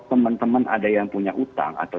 teman teman ada yang punya utang atau